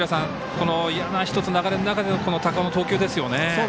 この嫌な１つ流れの中での高尾の投球ですよね。